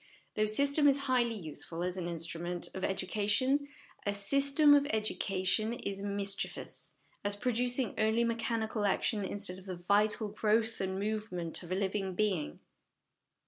Though system is highly useful as an instrument of TO HOME EDUCATION education, a 'system of education' is mischievous, as producing only mechanical action instead of the vital growth and movement of a living being.